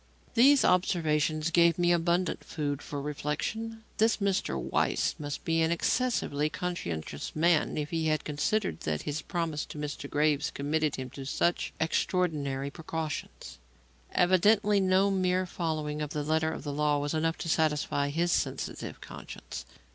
These observations gave me abundant food for reflection. This Mr. Weiss must be an excessively conscientious man if he had considered that his promise to Mr. Graves committed him to such extraordinary precautions. Evidently no mere following of the letter of the law was enough to satisfy his sensitive conscience.